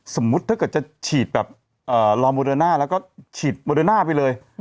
สมมุติถ้าเกิดจะฉีดแบบรอโมเดอร์น่าแล้วก็ฉีดโมเดอร์น่าไปเลย